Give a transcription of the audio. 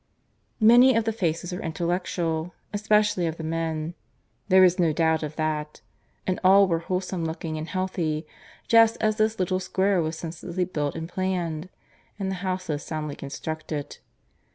Many of the faces were intellectual, especially of the men there was no doubt of that; and all were wholesome looking and healthy, just as this little square was sensibly built and planned, and the houses soundly constructed.